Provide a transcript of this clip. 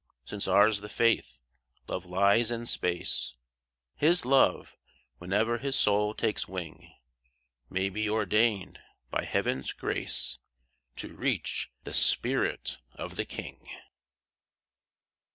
Since ours the faith, "Love lives in space," His love, whene'er his soul takes wing, May be ordained, by Heaven's grace, To reach the spirit of the king.